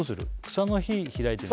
草の日開いてみる？